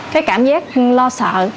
cái cảm giác lo sợ